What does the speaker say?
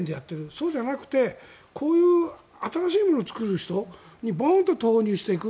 そうじゃなくてこういう新しいものを作れる人にボンと投入していく。